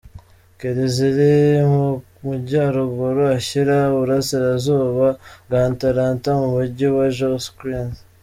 Kelly ziri mu Majyaruguru ashyira Uburasirazuba bwa Atlanta mu Mujyi wa Johns Creek.